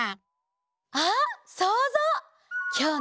あっそうぞう！